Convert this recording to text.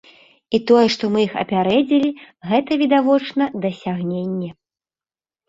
І тое, што мы іх апярэдзілі, гэта, відавочна, дасягненне.